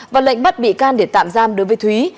và lệnh bắt bị can để tạm giam đối với thúy